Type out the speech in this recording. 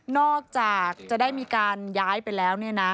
นอกจากจะได้มีการย้ายไปแล้ว